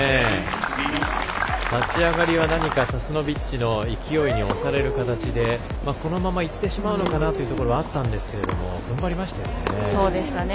立ち上がりはサスノビッチの勢いに押される形でこのままいってしまうのかなというところはあったんですけどふんばりましたよね。